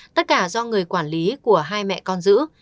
tất cả do người quản lý của hai mẹ con giữ